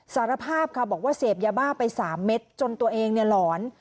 สารภาพค่ะบอกว่าเสพยาบ้าไป๓เม็ดจนตัวเองเนี่ยหลอน